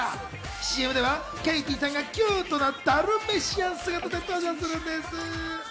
ＣＭではケイティさんがキュートなダルメシアン姿で登場するんです。